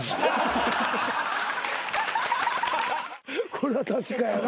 これは確かやな。